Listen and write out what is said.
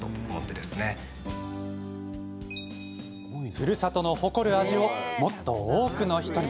ふるさとの誇る味をもっと多くの人に。